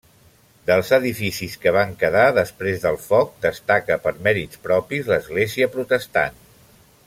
Dels edificis que van quedar després del foc destaca per mèrits propis l'església protestant.